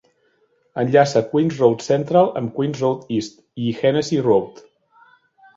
Enllaça Queen's Road Central amb Queen's Road East i Hennessy Road.